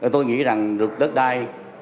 tôi nghĩ rằng đất đai